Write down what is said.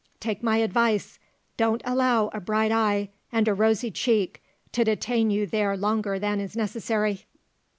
Take my advice: don't allow a bright eye and a rosy cheek to detain you there longer than is necessary."